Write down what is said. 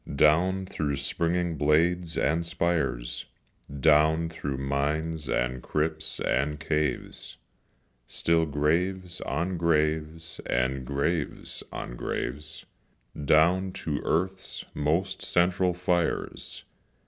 Down through springing blades and spires, Down through mines, and crypts, and caves, Still graves on graves, and graves on graves, Down to earth's most central fires.